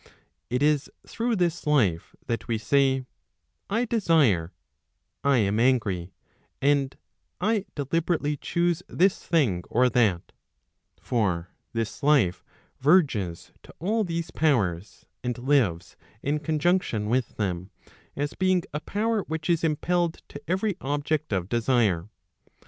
It is through this life that we say, I desire, 1 am angry, and I deliberately choose this thing or that; for this life verges to all these powers, and lives in conjunction with them, as being a power which is impelled to every object of desire.